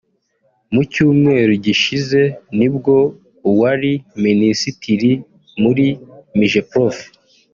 Mu cyumweru gishize ni bwo uwari Minisitiri muri Migeprof